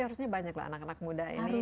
harusnya banyak loh anak anak muda ini